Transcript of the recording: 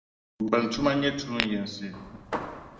bɛn tuma nyɛ tuun’ yinsi.